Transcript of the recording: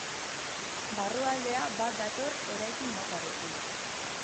Barrualdea bat dator eraikin motarekin.